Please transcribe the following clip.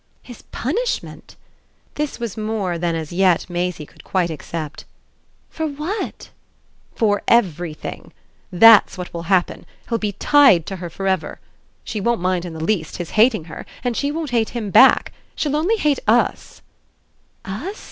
"His punishment?" this was more than as yet Maisie could quite accept. "For what?" "For everything. That's what will happen: he'll be tied to her for ever. She won't mind in the least his hating her, and she won't hate him back. She'll only hate US." "Us?"